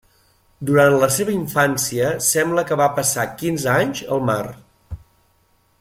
Durant la seva infància sembla que va passar quinze anys al mar.